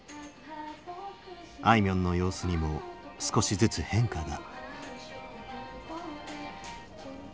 あいみょんの様子にも少しずつ変化が。